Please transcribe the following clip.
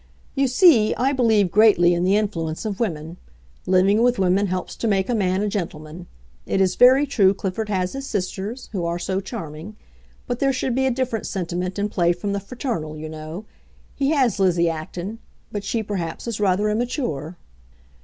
"You see, I believe greatly in the influence of women. Living with women helps to make a man a gentleman. It is very true Clifford has his sisters, who are so charming. But there should be a different sentiment in play from the fraternal, you know. He has Lizzie Acton; but she, perhaps, is rather immature."